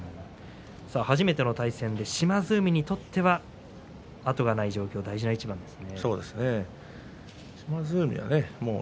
初めての対戦で島津海にとっては後がない状況の大事な一番です。